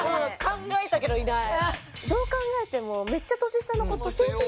考えたけどいない。